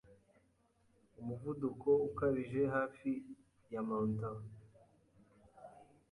umuvuduko ukabije hafi ya mantant